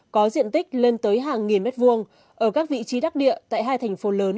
có diện tích lên tới hàng nghìn mét vuông ở các vị trí đắc địa tại hai thành phố lớn